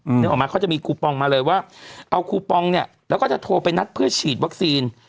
นึกออกมาเขาจะมีคูปองมาเลยว่าเอาคูปองเนี้ยแล้วก็จะโทรไปนัดเพื่อฉีดวัคซีน